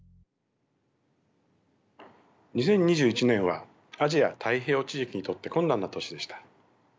２０２１年はアジア・太平洋地域にとって困難な年でした。